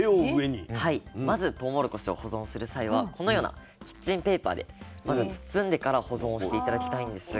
まずとうもろこしを保存する際はこのようなキッチンペーパーでまず包んでから保存をして頂きたいんですが。